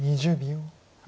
２０秒。